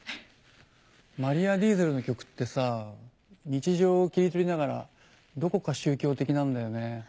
マリア・ディーゼルの曲ってさ日常を切り取りながらどこか宗教的なんだよね。